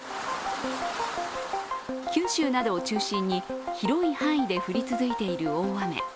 九州などを中心に広い範囲で降り続いている大雨。